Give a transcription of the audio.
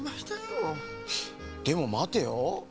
でもまてよ。